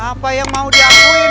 apa yang mau diakuin